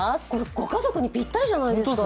ご家族にぴったりじゃないですか。